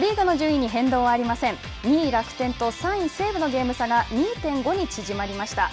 ２位、楽天と３位、西武のゲーム差が２．５に縮まりました。